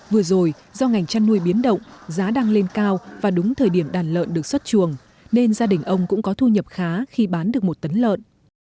vừa rồi do ngành chăn nuôi biến động giá đang lên cao và đúng thời điểm đàn lợn được xuất chuồng nên gia đình ông cũng có thu nhập khá khi bán được một tấn lợn